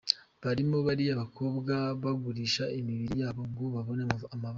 Barimo bariya bakobwa bagurisha imibiri yabo ngo babone amaramuko;